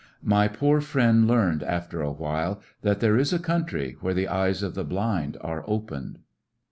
My poor friend learned after a while that there is a country where the eyes of the blind are opened.